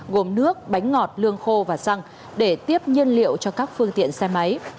gồm nước bánh ngọt lương khô và xăng để tiếp nhiên liệu cho các phương tiện xe máy